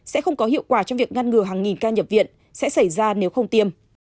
sẽ không có hiệu quả trong việc ngăn ngừa hàng nghìn ca nhập viện sẽ xảy ra nếu không tiêm